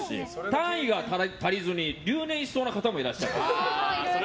単位が足りずに留年しそうな方もいらっしゃる。